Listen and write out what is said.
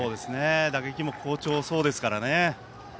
打撃も好調そうですからね。